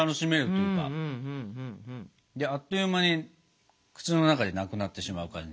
であっという間に口の中でなくなってしまう感じ。